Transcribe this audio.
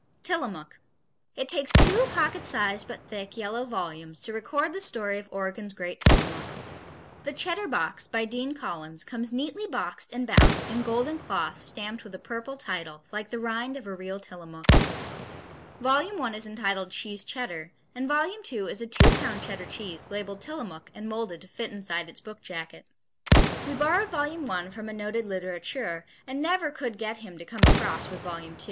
Tillamook It takes two pocket sized, but thick, yellow volumes to record the story of Oregon's great Tillamook. The Cheddar Box, by Dean Collins, comes neatly boxed and bound in golden cloth stamped with a purple title, like the rind of a real Tillamook. Volume I is entitled Cheese Cheddar, and Volume II is a two pound Cheddar cheese labeled Tillamook and molded to fit inside its book jacket. We borrowed Volume I from a noted littérateur, and never could get him to come across with Volume II.